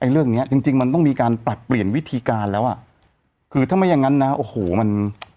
เรื่องเนี้ยจริงจริงมันต้องมีการปรับเปลี่ยนวิธีการแล้วอ่ะคือถ้าไม่อย่างงั้นนะโอ้โหมัน